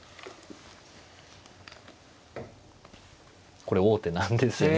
これ王手なんですよね。